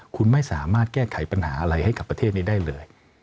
คุณไม่สามารถแก้ไขปัญหาอะไรให้กับประเทศนี้ได้เลย